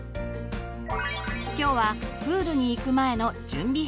今日はプールに行く前の準備編。